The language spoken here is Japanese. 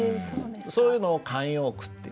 そういうのを慣用句っていいます。